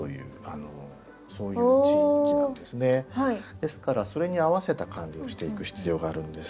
ですからそれに合わせた管理をしていく必要があるんです。